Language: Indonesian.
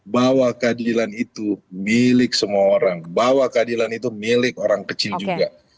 bahwa keadilan itu milik semua orang bahwa keadilan itu milik orang kecil juga